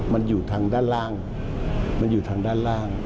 มันอยู่ทางด้านล่างมันอยู่ทางด้านล่าง